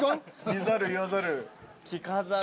見ざる言わざる聞かざる。